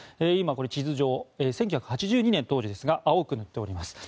今、これは地図上１９８２年、当時ですが青く塗っております。